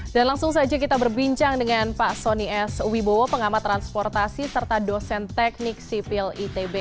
dan langsung saja kita berbincang dengan pak soni s wibowo pengamat transportasi serta dosen teknik sipil itb